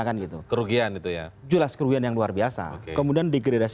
kerugian jelas kerugian yang luar biasa